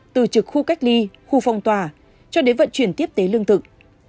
từ trực khu cách ly khu phong tỏa cho đến vận chuyển tiếp tế lương thực